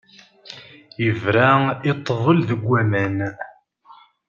Yebra i ṭṭbel deg waman.